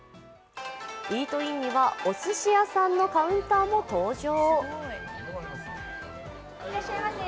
イートインにはおすし屋さんのカウンターも登場。